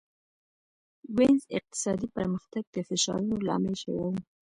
وینز اقتصادي پرمختګ د فشارونو لامل شوی و.